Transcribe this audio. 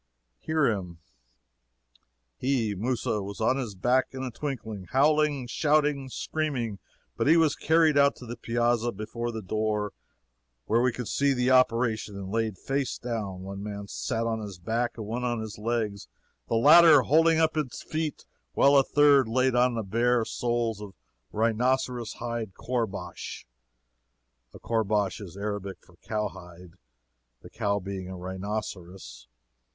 Hear him: "He (Mousa) was on his back in a twinkling, howling, shouting, screaming, but he was carried out to the piazza before the door, where we could see the operation, and laid face down. One man sat on his back and one on his legs, the latter holding up his feet, while a third laid on the bare soles a rhinoceros hide koorbash ["A Koorbash is Arabic for cowhide, the cow being a rhinoceros.